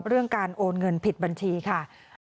เรื่องการโอนเงินผิดบัญชีค่ะ